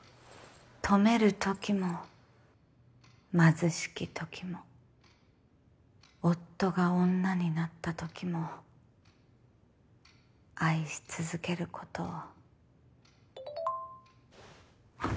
富めるときも貧しきときも夫が女になったときも愛し続けることを。